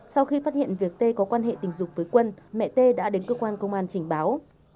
sau khi phát hiện việc tê có quan hệ tình dục với quân mẹ tê đã đến cơ quan công an trình báo